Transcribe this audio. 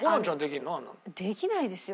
できないですよ。